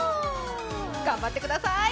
頑張ってください。